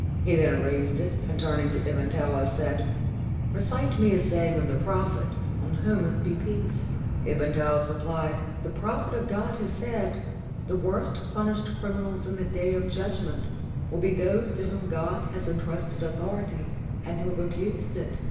He then raised it, and turning to Ibn Taous, said: 'Recite me a saying of the Prophet, on whom be peace.' Ibn Taous repHed: 'The Prophet of God has said, "The worst punished criminals in the Day of Judgment will be those to whom God has en trusted authority and who have abused it."